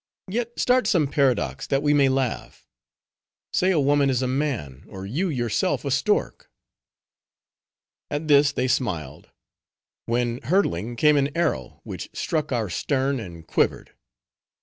Yet start some paradox, that we may laugh. Say a woman is a man, or you yourself a stork." At this they smiled. When hurtling came an arrow, which struck our stern, and quivered.